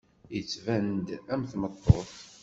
Yettban-d am tmeṭṭut.